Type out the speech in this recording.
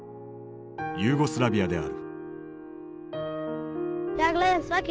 ユーゴスラビアである。